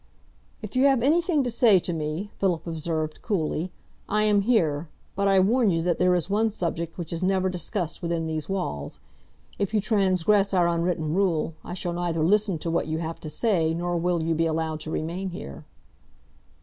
"If you have anything to say to me," Philip observed coolly, "I am here, but I warn you that there is one subject which is never discussed within these walls. If you transgress our unwritten rule, I shall neither listen to what you have to say nor will you be allowed to remain here."